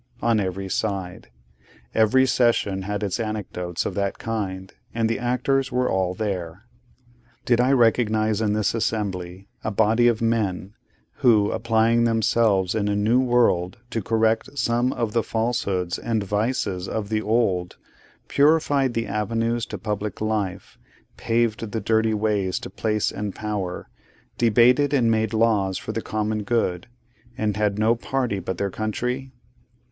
On every side. Every session had its anecdotes of that kind, and the actors were all there. Did I recognise in this assembly, a body of men, who, applying themselves in a new world to correct some of the falsehoods and vices of the old, purified the avenues to Public Life, paved the dirty ways to Place and Power, debated and made laws for the Common Good, and had no party but their Country?